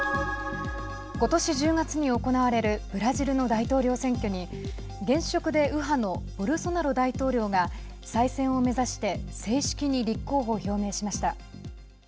ことし１０月に行われるブラジルの大統領選挙に現職で右派のボルソナロ大統領が再選を目指して正式に立候補を表明しました。